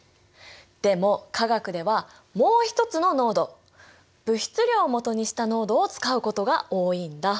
でも化学ではもう一つの濃度物質量を基にした濃度を使うことが多いんだ。